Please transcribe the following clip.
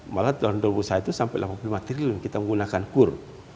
malah tahun dua ribu dua puluh saya itu sampai delapan puluh lima triliun kita menggunakan kur